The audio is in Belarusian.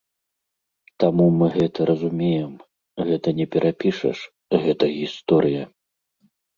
Таму мы гэта разумеем, гэта не перапішаш, гэта гісторыя.